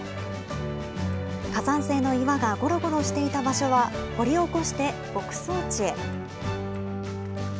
火山性の岩がごろごろしていた場所は、掘り起こして牧草地へ。